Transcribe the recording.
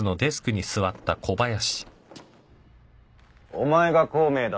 お前が孔明だ